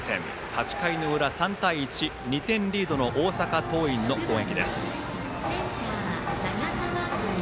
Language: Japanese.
８回裏、３対１２点リードの大阪桐蔭の攻撃。